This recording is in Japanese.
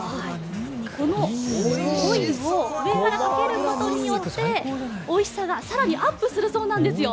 このオイルをかけることによっておいしさが更にアップするそうなんですよ。